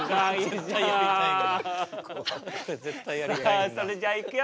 さあそれじゃあいくよ。